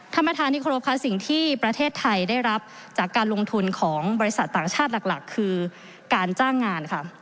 ท่านประธานที่เคารพค่ะสิ่งที่ประเทศไทยได้รับจากการลงทุนของบริษัทต่างชาติหลักคือการจ้างงานค่ะ